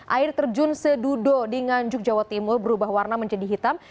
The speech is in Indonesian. air terjun sedudo di nganjuk jawa timur berubah warna menjadi hitam